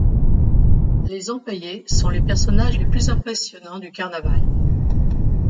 Les empaillés sont les personnages les plus impressionnants du carnaval.